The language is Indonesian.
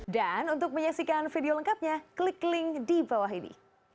dan untuk menyaksikan video lengkapnya klik link di bawah ini